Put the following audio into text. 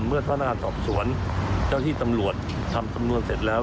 พนักงานสอบสวนเจ้าที่ตำรวจทำสำนวนเสร็จแล้ว